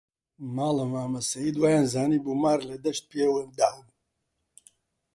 ماڵە مامە سەید وەیانزانیبوو مار لە دەشت پێوەی داوم